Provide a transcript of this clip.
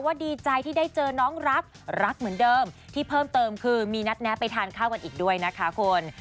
ดีใจที่ได้เจอน้องรักรักเหมือนเดิมที่เพิ่มเติมคือมีนัดแนะไปทานข้าวกันอีกด้วยนะคะคุณ